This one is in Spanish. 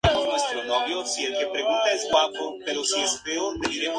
La línea Massa-Senigallia en Italia es un ejemplo de haz de isoglosas.